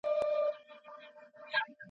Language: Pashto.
زه په خپل جنون کي خوښ یم زولنې د عقل یوسه !.